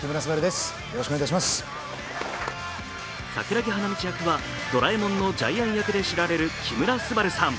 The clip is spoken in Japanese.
桜木花道役「ドラえもん」のジャイアン役で知られる木村昴さん。